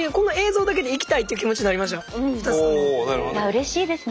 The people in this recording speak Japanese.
うれしいですね。